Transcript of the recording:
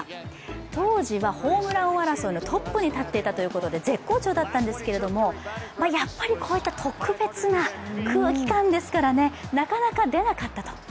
当時はホームラン王争いのトップ立っていたということで絶好調だったんですけどもこういった特別な空気感ですからなかなか出なかったと。